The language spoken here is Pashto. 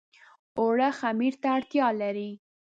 اوړه خمیر ته اړتيا لري